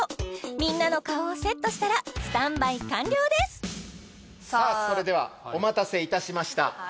みんなの顔をセットしたらスタンバイ完了ですさあそれではお待たせいたしました